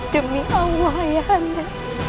demi allah ayah anda